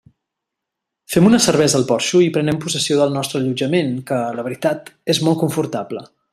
Fem una cervesa al porxo i prenem possessió del nostre allotjament que, la veritat, és molt confortable.